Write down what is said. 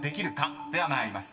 ［では参ります。